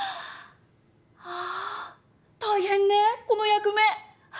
あ大変ねこの役目。